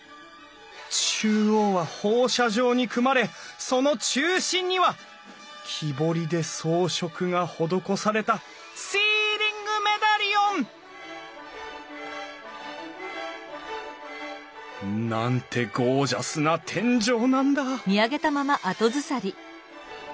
中央は放射状に組まれその中心には木彫りで装飾が施されたシーリングメダリオン！なんてゴージャスな天井なんだ！